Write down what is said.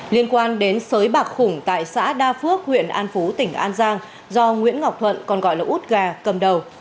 liên quan đến sới bạc khủng tại xã đa phước huyện an phú tỉnh an giang do nguyễn ngọc thuận còn gọi là út gà cầm đầu